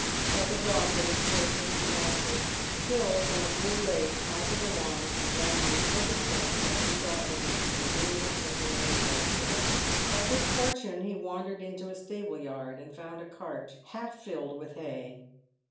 Like a dog that had strayed from its master, Phil, when it grew late, sauntered along, examining every place that he thought would make a convenient temporary bedstead. By good fortune he wandered into a stable yard, and found a cart half filled with hay.